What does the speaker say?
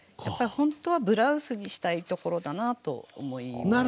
本当は「ブラウス」にしたいところだなと思いましたね。